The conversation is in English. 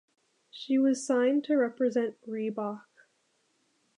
She was signed to represent Reebok.